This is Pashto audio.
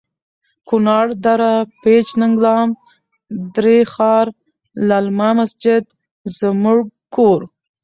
کنړ.دره پیج.ننګلام.دری ښار.للمه.مسجد زموړږ کور